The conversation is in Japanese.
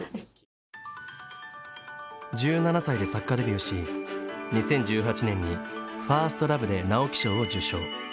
１７歳で作家デビューし２０１８年に「ファーストラヴ」で直木賞を受賞。